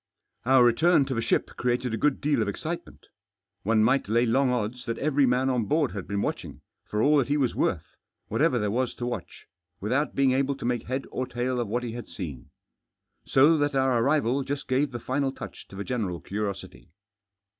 Our return to the ship created a good deal of excitement One might lay long odds that every m<in on board had been watching, for all that he was worth, whatever there was to watch, without being able to make head or tail of what he had seen. So that our arrival just gave the final touch to the general curiosity.